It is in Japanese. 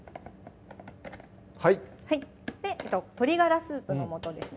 はいで鶏ガラスープの素ですね